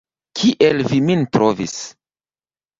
Kiel vi nin trovis?